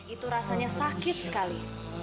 itu rasanya sakit sekali